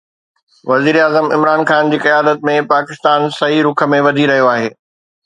وزيراعظم عمران خان جي قيادت ۾ پاڪستان صحيح رخ ۾ وڌي رهيو آهي